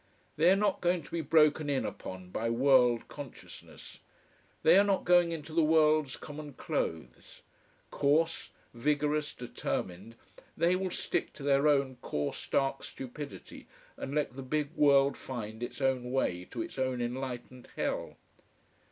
They are not going to be broken in upon by world consciousness. They are not going into the world's common clothes. Coarse, vigorous, determined, they will stick to their own coarse dark stupidity and let the big world find its own way to its own enlightened hell.